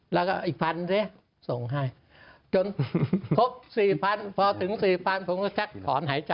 แล้วก็อีกพันสิส่งให้จนครบ๔๐๐พอถึง๔๐๐ผมก็ซักถอนหายใจ